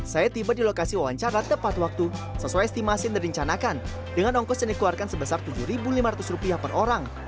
saya tiba di lokasi wawancara tepat waktu sesuai estimasi yang direncanakan dengan ongkos yang dikeluarkan sebesar tujuh lima ratus per orang